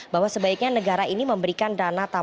bahwa sebaiknya negara ini memberikan dana tambahan untuk kesehatan